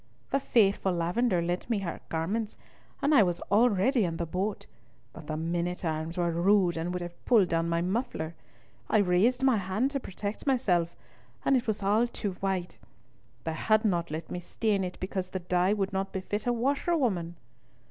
The faithful lavender lent me her garments, and I was already in the boat, but the men at arms were rude and would have pulled down my muffler; I raised my hand to protect myself, and it was all too white. They had not let me stain it, because the dye would not befit a washerwoman.